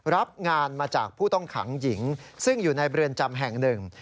รับงานมาจากผู้ต้องขังหญิงซึ่งอยู่ในเรือนจำแห่งหนึ่ง